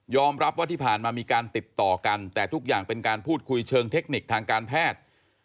รับว่าที่ผ่านมามีการติดต่อกันแต่ทุกอย่างเป็นการพูดคุยเชิงเทคนิคทางการแพทย์